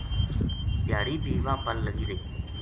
دھیاڑی بھی واہ پل لگی رہی